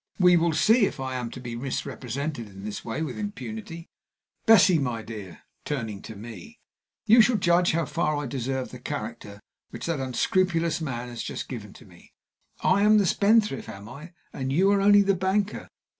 "We will see if I am to be misrepresented in this way with impunity. Bessie, my dear" (turning to me), "you shall judge how far I deserve the character which that unscrupulous man has just given to me. I am the spendthrift, am I? And you are only the banker?